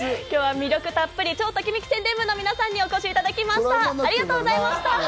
今日は魅力たっぷり、超ときめき宣伝部の皆さんにおいでいただきました。